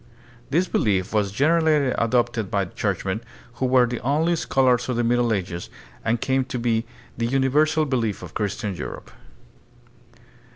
This belief was generally adopted by churchmen, who were the only scholars of the Middle Ages, and came to be the uni versal belief of Christian Europe.